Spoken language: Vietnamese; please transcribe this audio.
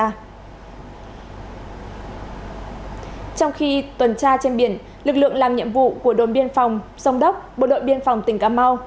trong khi tuần tra trên biển lực lượng làm nhiệm vụ của đồn biên phòng sông đốc bộ đội biên phòng tỉnh cà mau